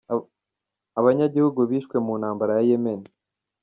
Abanyagihugu bishwe mu ntambara ya Yemen.